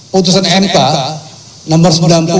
putusan mk nomor sembilan belas